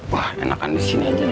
wah enakan di sini aja